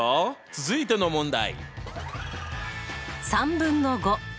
続いての問題。